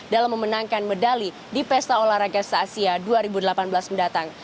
dalam memenangkan medali di pesta olahraga se asia dua ribu delapan belas mendatang